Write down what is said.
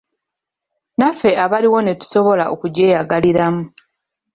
Naffe abaliwo ne tusobola okugyeyagaliramu.